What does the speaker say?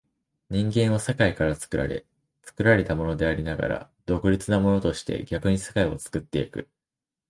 人間は世界から作られ、作られたものでありながら独立なものとして、逆に世界を作ってゆく。